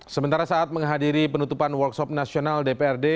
sementara saat menghadiri penutupan workshop nasional dprd